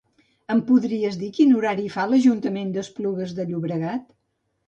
Em podries dir quin horari fa l'Ajuntament d'Esplugues de Llobregat?